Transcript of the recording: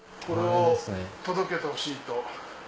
これを届けてほしいと。